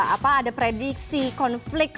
apa ada prediksi konflik